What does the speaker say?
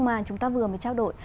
mà chúng ta vừa mới trao đổi